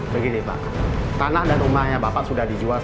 begini pak tanah dan rumahnya bapak sudah dijual